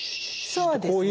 そうですね。